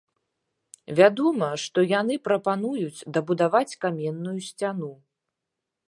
Вядома, што яны прапануюць дабудаваць каменную сцяну.